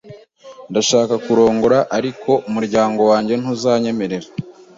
Ndashaka kurongora, ariko umuryango wanjye ntuzanyemerera